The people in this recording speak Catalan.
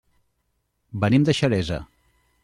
Venim de Xeresa.